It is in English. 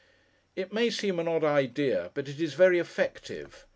It may seem an odd idea, but it is very effective.